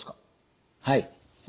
はい。